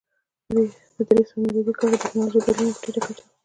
په درې سوه میلادي کال کې ټکنالوژیکي بدلونونه په ټیټه کچه و.